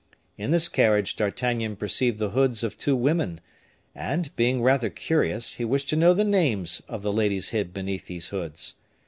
In this carriage D'Artagnan perceived the hoods of two women, and being rather curious, he wished to know the names of the ladies hid beneath these hoods.